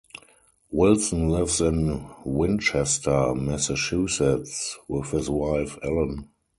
Wilson lives in Winchester, Massachusetts with his wife, Ellen.